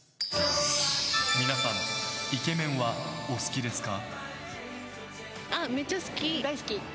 皆さんイケメンはお好きですか？